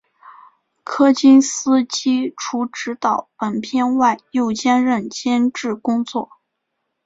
柯金斯基除执导本片外又兼任监制工作。